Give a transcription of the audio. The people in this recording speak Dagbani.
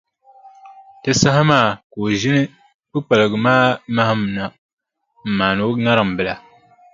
Di saha maa ka o ʒini kpukpaliga maa mahim na m-maani o ŋariŋ bila.